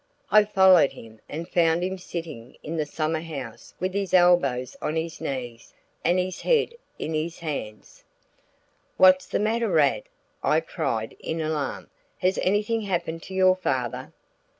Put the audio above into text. I followed him and found him sitting in the summer house with his elbows on his knees and his head in his hands. "What's the matter, Rad?" I cried in alarm. "Has anything happened to your father?"